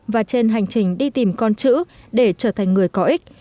và trên hành trình đi tìm con chữ để trở thành người có ích